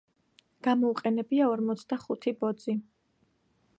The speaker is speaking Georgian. გამოუყენებია ორმოცდახუთი ბოძი.